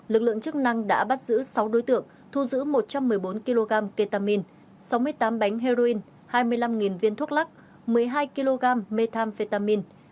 lực lượng chức năng đã bắt giữ sáu đối tượng thu giữ một trăm một mươi bốn kg ketamine sáu mươi tám bánh heroin hai mươi năm viên thuốc lắc một mươi hai kg methamphetamin